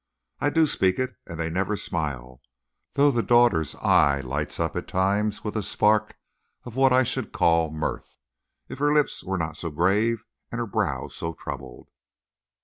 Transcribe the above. I do speak it and they never smile, though the daughter's eye lights up at times with a spark of what I should call mirth, if her lips were not so grave and her brow so troubled.